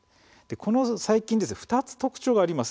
この細菌、２つの特徴があります。